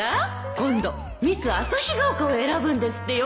今度ミスあさひが丘を選ぶんですってよ